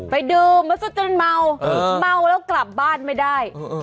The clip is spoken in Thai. ไปดื่มมาซะจนเมาเมาแล้วกลับบ้านไม่ได้